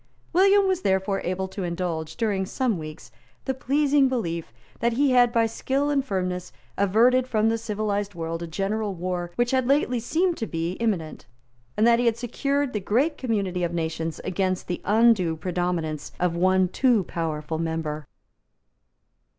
William was therefore able to indulge, during some weeks, the pleasing belief that he had by skill and firmness averted from the civilised world a general war which had lately seemed to be imminent, and that he had secured the great community of nations against the undue predominance of one too powerful member.